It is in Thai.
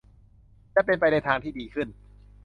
จะเป็นไปในทางที่ดีขึ้น